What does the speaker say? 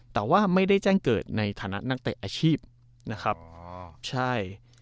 แต่ว่าไม่ได้แจ้งเกิดในฐานะนักเตะอาชีพนะครับอ๋อใช่